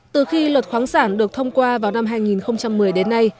từ khi luật khoáng sản được thông qua vào năm hai nghìn một mươi đến nay